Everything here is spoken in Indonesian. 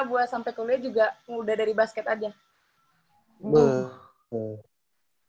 gua sampe kuliah juga udah dari basket aja